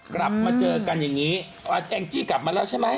กลับมาเจอกันอย่างนี้แองจี้กลับมาแล้วใช่ไหม